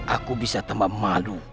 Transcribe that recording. aku bisa tambah malu